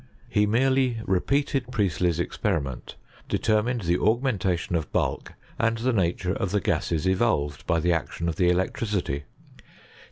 He merely repealed Priestley's experiment, determined the augmentation of bulk, and the nature of the gases evolved by the action of the electricity.